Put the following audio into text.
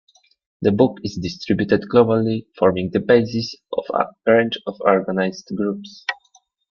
The book is distributed globally, forming the basis of a range of organized groups.